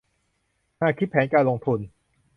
หากคิดแผนการลงทุน